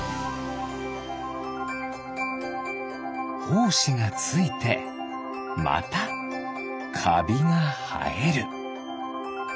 ほうしがついてまたかびがはえる。